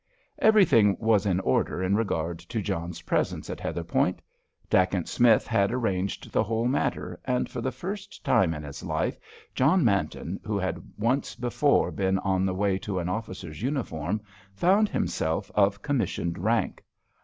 Everything was in order in regard to John's presence at Heatherpoint. Dacent Smith had arranged the whole matter, and for the first time in his life John Manton, who had once before been on the way to an officer's uniform, found himself of commissioned rank.